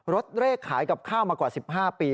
เลขขายกับข้าวมากว่า๑๕ปี